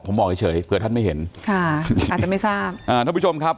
ผมบอกเฉยเฉยเผื่อท่านไม่เห็นค่ะอาจจะไม่ทราบอ่าท่านผู้ชมครับ